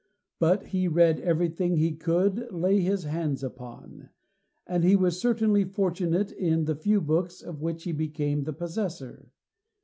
But he read everything he could lay his hands upon, and he was certainly fortunate in the few books of which he became the possessor.